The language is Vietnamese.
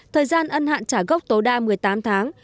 thời gian ân hạn trả gốc tối đa một mươi tám tháng